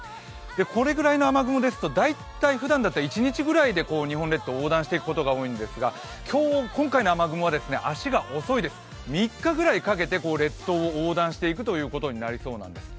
これぐらいの雨雲ですと、大体ふだんだったら１日ぐらいで日本列島を横断していくことが多いんですが、今回の雨雲は、足が遅いです３日ぐらいかけて列島を横断していくことになりそうなんです。